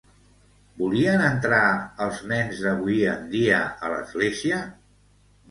Volien entrar els nens d'avui en dia a l'església?